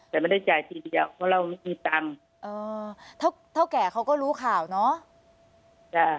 แต่ไม่ได้จ่ายทีเดียวเพราะเราไม่มีตังค์อ๋อเท่าเท่าแก่เขาก็รู้ข่าวเนาะ